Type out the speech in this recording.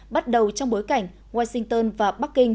bắt đầu trong bối cảnh washington và bắc kinh